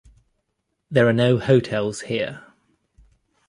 There are no hotels here.